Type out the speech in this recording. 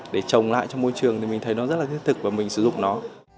để trồng lại cho môi trường thì mình thấy nó rất là thiết thực và mình sử dụng nó